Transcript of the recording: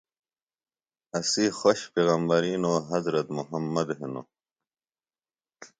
اسی خوش پیغمبری نو حضرت مُحمد ہِنوۡ۔